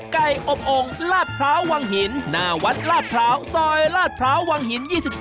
อบองค์ลาดพร้าววังหินหน้าวัดลาดพร้าวซอยลาดพร้าววังหิน๒๒